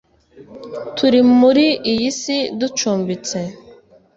Turi muri iyi si ducumbitse